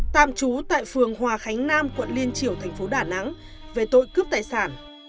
tạm trú tại phường hòa khánh nam quận liên triều thành phố đà nẵng về tội cướp tài sản